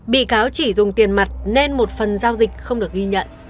bị cáo chỉ dùng tiền mặt nên một phần giao dịch không được ghi nhận